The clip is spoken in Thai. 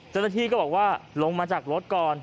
เจ้าหน้าที่ก็บอกว่าลงมาจากรถก่อน